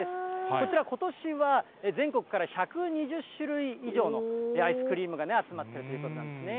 こちら、ことしは全国から１２０種類以上のアイスクリームが集まっているということなんですね。